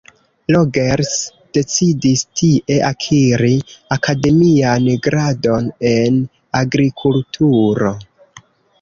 Rogers decidis tie akiri akademian gradon en agrikulturo.